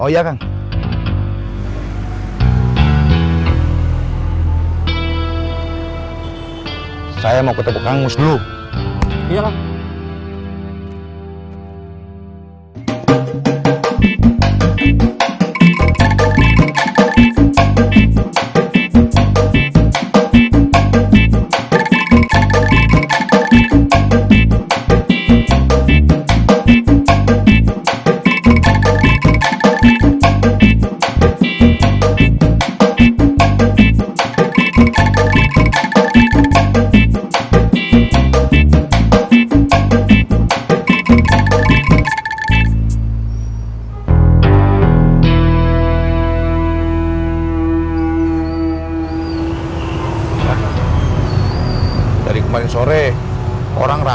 ya enggak kayak gitu atukang